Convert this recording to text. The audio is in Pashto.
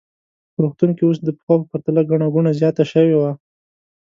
په روغتون کې اوس د پخوا په پرتله ګڼه ګوڼه زیاته شوې وه.